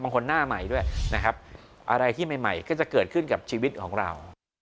หน้าใหม่ด้วยนะครับอะไรที่ใหม่ก็จะเกิดขึ้นกับชีวิตของเรา